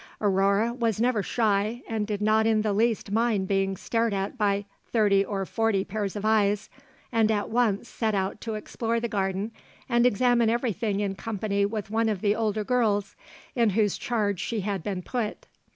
Aurore was never shy and did not in the least mind being stared at by thirty or forty pairs of eyes, and at once set out to explore the garden and examine everything in company with one of the older girls, in whose charge she had been put.